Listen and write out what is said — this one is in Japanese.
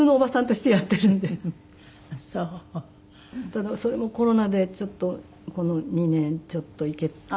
ただそれもコロナでちょっとこの２年ちょっと行けなくて。